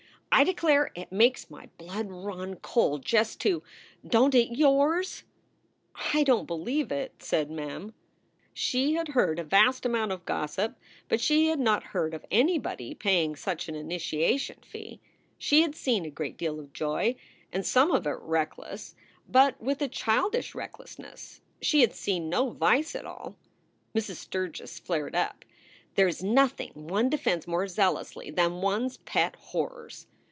"I declare it makes my blood run cold just to Don t it yours?" "I don t believe it," said Mem. She had heard a vast amount of gossip, but she had not heard of anybody paying such an initiation fee. She had seen a great deal of joy and some of it reckless, but with a childish recklessness. She had seen no vice at all. Mrs. Sturgs flared up. There is nothing one defends more zealously than one s pet horrors.